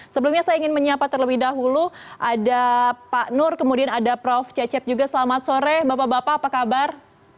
sebelumnya saya ingin menyapa terlebih dahulu ada pak nur kemudian ada prof cecep juga selamat sore bapak bapak apa kabar